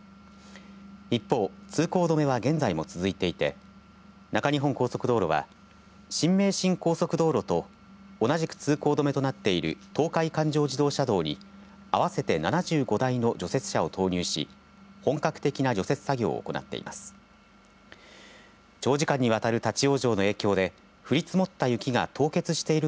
一方、通行止めは現在も続いていて中日本高速道路は新名神高速道路と同じく通行止めとなっている東海環状自動車道にあわせて７５台の除雪車を投入し本格的な除雪作業を行っています。